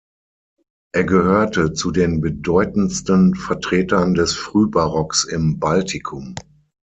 Er gehörte zu den bedeutendsten Vertretern des Frühbarocks im Baltikum.